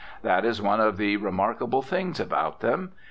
That is one of the remarkable things about them.